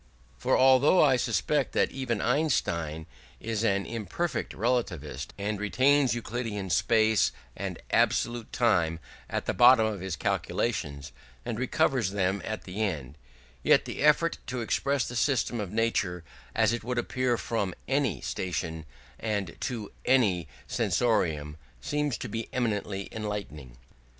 For although I suspect that even Einstein is an imperfect relativist, and retains Euclidean space and absolute time at the bottom of his calculation, and recovers them at the end, yet the effort to express the system of nature as it would appear from any station and to any sensorium seems to be eminently enlightening.